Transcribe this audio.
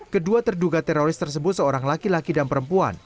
kedua terduga teroris tersebut seorang laki laki dan perempuan